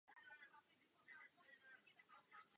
Při následných úpravách byl palác rozdělen na dvě části.